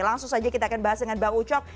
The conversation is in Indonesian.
langsung saja kita akan bahas dengan bang ucok